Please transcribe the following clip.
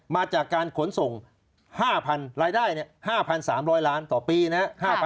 มาจากการขนส่ง๕๐๐๐รายได้๕๓๐๐ล้านต่อปีนะ